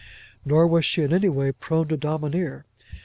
Nor was she in any way prone to domineer.